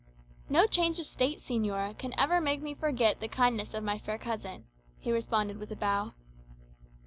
"No change of state, señora, can ever make me forget the kindness of my fair cousin," he responded with a bow.